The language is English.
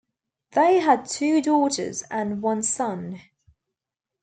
They had two daughters and one son.